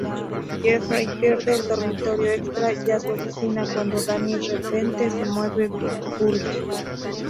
Jeffrey pierde el dormitorio extra, ya su oficina cuando Dani repente se mueve pulg.